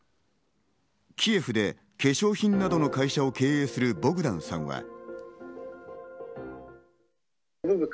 キエフで化粧品などの会社を経営するボグダンさんは。